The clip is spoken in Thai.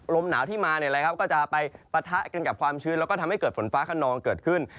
ลมหนาวที่มาก็จะไปปะทะกันกับความชื้นแล้วก็ทำให้เกิดฝนฟ้าขนองเกิดขึ้น